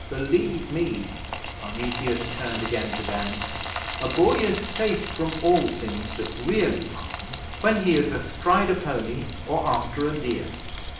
Believe me,' Parnesius turned again to Dan, 'a boy is safe from all things that really harm when he is astride a pony or after a deer.